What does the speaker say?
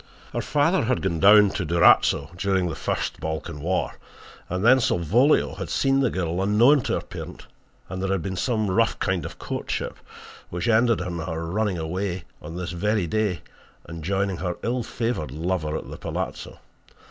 "Her father had gone down to Durazzo during the first Balkan war and then Salvolio had seen the girl unknown to her parent, and there had been some rough kind of courtship which ended in her running away on this very day and joining her ill favoured lover at the palazzo.